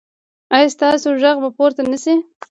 ایا ستاسو غږ به پورته نه شي؟